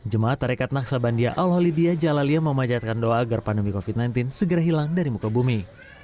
jemaah tarikat naksabendi al holidya jalaliyah memajatkan doa agar pandemi covid sembilan belas segera hilang dari muka bumi